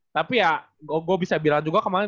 tapi ya gue bisa bilang juga kemarin